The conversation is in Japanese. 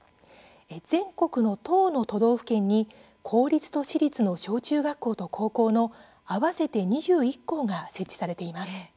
全国の１０の都道府県に公立と私立の小中学校と高校の合わせて２１校が設置されています。